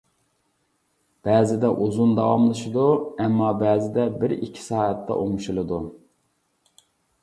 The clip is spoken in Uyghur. بەزىدە ئۇزۇن داۋاملىشىدۇ، ئەمما بەزىدە بىر ئىككى سائەتتە ئوڭشىلىدۇ.